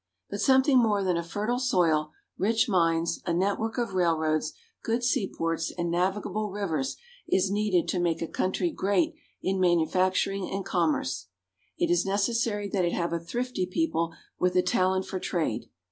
But something more than a fertile soil, rich mines, a network of railroads, good seaports, and navigable rivers is needed to make a country great in manufacturing and commerce. It is necessary that it have a thrifty people with a talent for trade.